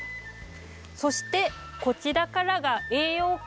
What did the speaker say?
そしてこちらからが栄養系。